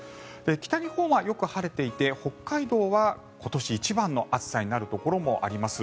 北日本はよく晴れていて北海道は今年一番の暑さになるところもあります。